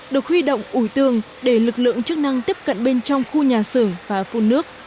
được huy động ủi tường để lực lượng chức năng tiếp cận bên trong khu nhà xưởng và phun nước